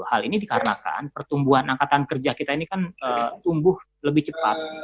hal ini dikarenakan pertumbuhan angkatan kerja kita ini kan tumbuh lebih cepat